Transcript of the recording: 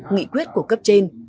nghị quyết của cấp trên